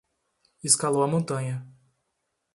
Escalou a montanha